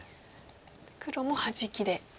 黒もハジキで。